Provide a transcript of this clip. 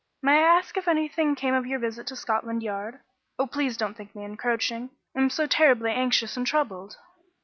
May I ask if anything came of your visit to Scotland Yard? Oh, please don't think me encroaching; I am so terribly anxious and troubled."